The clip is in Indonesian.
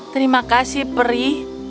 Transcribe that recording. terima kasih peri